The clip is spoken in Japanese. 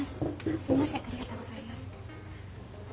すみませんありがとうございます。